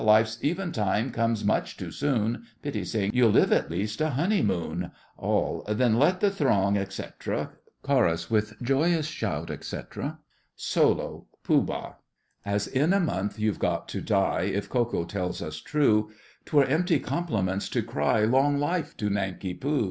Life's eventime comes much too soon, PITTI SING. You'll live at least a honeymoon! ALL. Then let the throng, etc. CHORUS. With joyous shout, etc. SOLO—POOH BAH. As in a month you've got to die, If Ko Ko tells us true, 'Twere empty compliment to cry "Long life to Nanki Poo!"